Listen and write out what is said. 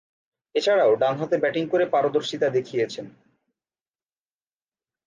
এছাড়াও, ডানহাতে ব্যাটিং করে পারদর্শীতা দেখিয়েছেন।